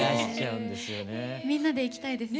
みんなで行きたいですね。